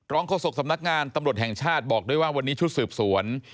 โฆษกสำนักงานตำรวจแห่งชาติบอกด้วยว่าวันนี้ชุดสืบสวน